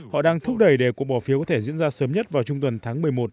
họ đang thúc đẩy để cuộc bỏ phiếu có thể diễn ra sớm nhất vào trung tuần tháng một mươi một